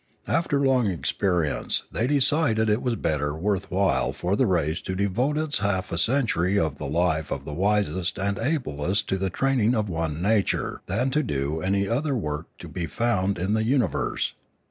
After long experience they decided that it was better worth while for the race to devote half a century of the life of the wisest and ablest to the training of one nature than to do any other work to be found in the universe.